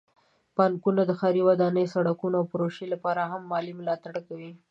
بانکونه د ښاري ودانۍ، سړکونو، او پروژو لپاره هم مالي ملاتړ کوي.